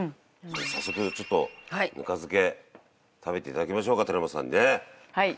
早速ちょっとぬか漬け食べて頂きましょうか寺本さんにね。はい。